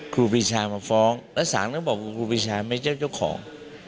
ครูพิชามาฟ้องแล้วศาลก็บอกครูพิชาไม่เจ้าเจ้าของ